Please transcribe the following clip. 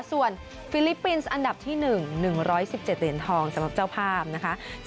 ส่วนฟิลิปปินส์อันดับที่๑๑๑๗เหรียญทองสำหรับเจ้าภาพนะคะ